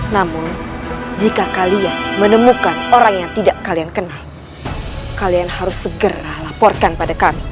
namun jika kalian menemukan orang yang tidak kalian kenal kalian harus segera laporkan pada kami